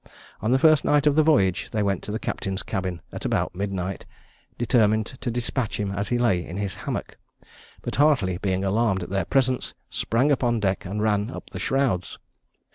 On the first night of the voyage, they went to the captain's cabin at about midnight, determined to despatch him as he lay in his hammock; but Hartley being alarmed at their presence, sprang upon deck and ran up the shrouds.